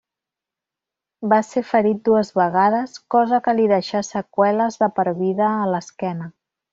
Va ser ferit dues vegades, cosa que li deixà seqüeles de per vida a l'esquena.